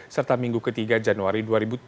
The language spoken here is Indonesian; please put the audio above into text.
serta minggu ke tiga januari dua ribu dua puluh tiga